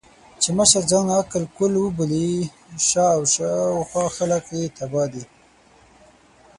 چې مشر ځان عقل کُل وبولي، شا او خوا خلګ يې تباه دي.